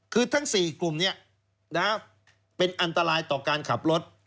คือทั้ง๔กลุ่มนี้เป็นอันตรายต่อการขับรถ